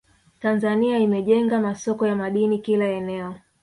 Tanzania imejenga masoko ya madini kila eneo